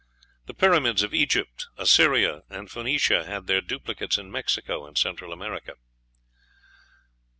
The pyramids of Egypt, Assyria, and Phoenicia had their duplicates in Mexico and Central America.